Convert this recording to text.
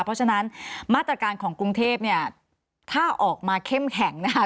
เพราะฉะนั้นมาตรการของกรุงเทพเนี่ยถ้าออกมาเข้มแข็งนะคะ